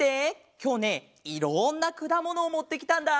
きょうねいろんなくだものをもってきたんだ！